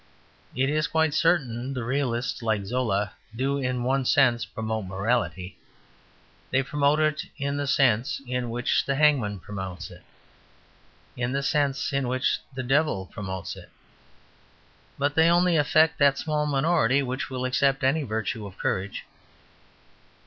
It is quite certain the realists like Zola do in one sense promote morality they promote it in the sense in which the hangman promotes it, in the sense in which the devil promotes it. But they only affect that small minority which will accept any virtue of courage.